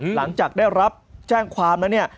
หลังจากได้รับแจ้งความแล้วเนี่ย